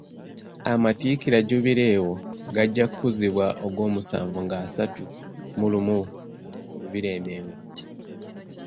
Amatikkira Jubireewo gajja kuzibwa Ogwomusanvu nga asatu mu lumu mu Lubiri e Mengo.